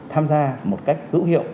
tham gia một cách hữu hiệu